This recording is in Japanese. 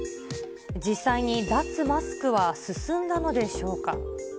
実際に脱マスクは進んだのでしょうか。